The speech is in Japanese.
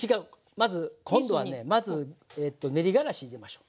まず。今度はねまず練りがらし入れましょう。